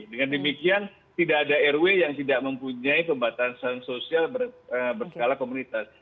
dengan demikian tidak ada rw yang tidak mempunyai pembatasan sosial berskala komunitas